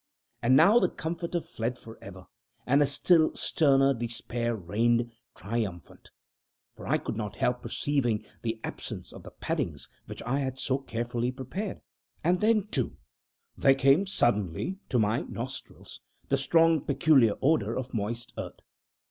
And now the Comforter fled for ever, and a still sterner Despair reigned triumphant; for I could not help perceiving the absence of the paddings which I had so carefully prepared and then, too, there came suddenly to my nostrils the strong peculiar odor of moist earth.